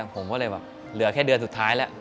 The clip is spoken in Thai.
ผมก็เลยแบบเหลือแค่เดือนสุดท้ายแล้ว